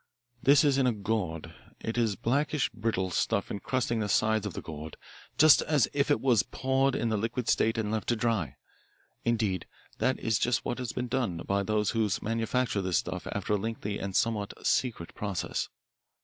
This is in a gourd. It is blackish brittle stuff encrusting the sides of the gourd just as if it was poured in in the liquid state and left to dry. Indeed, that is just what has been done by those who manufacture this stuff after a lengthy and somewhat secret process."